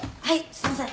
すいません。